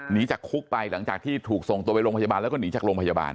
จากคุกไปหลังจากที่ถูกส่งตัวไปโรงพยาบาลแล้วก็หนีจากโรงพยาบาล